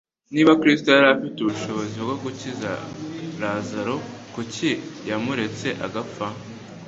Niba Kristo yari afite ubushobozi bwo gukiza Lazaro kuki yamuretse agapfa?